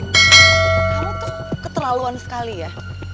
kamu tuh keterlaluan sekali ya